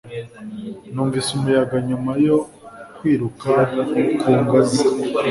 Numvise umuyaga nyuma yo kwiruka ku ngazi.